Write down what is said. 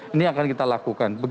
ini akan kita lakukan